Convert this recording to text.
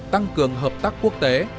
tăng cường hợp tác quốc tế